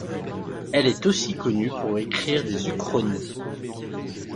Elle est aussi connue pour écrire des uchronies.